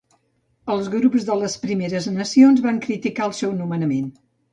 Els grups de les Primeres Nacions van criticar el seu nomenament.